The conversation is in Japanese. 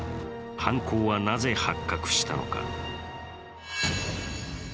犯行はなぜ発覚したのか。